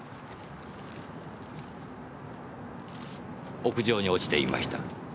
屋上に落ちていました。